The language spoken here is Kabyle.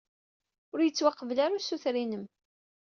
Ur yettwaqbel ara usuter-inem.